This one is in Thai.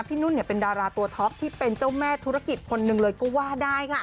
นุ่นเป็นดาราตัวท็อปที่เป็นเจ้าแม่ธุรกิจคนหนึ่งเลยก็ว่าได้ค่ะ